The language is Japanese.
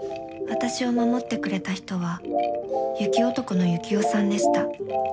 私を守ってくれた人は雪男のユキオさんでした。